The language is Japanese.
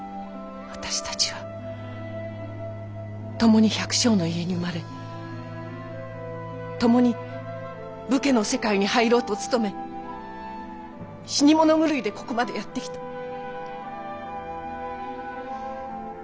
私たちは共に百姓の家に生まれ共に武家の世界に入ろうと努め死に物狂いでここまでやってきた。